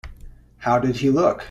How did he look?